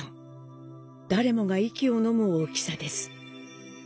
だれもが息をのむ大きさです。